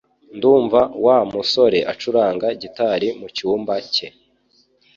Ndumva Wa musore acuranga gitari mucyumba cye